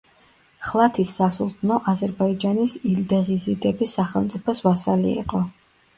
ხლათის სასულთნო აზერბაიჯანის ილდეღიზიდების სახელმწიფოს ვასალი იყო.